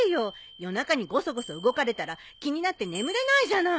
夜中にゴソゴソ動かれたら気になって眠れないじゃない。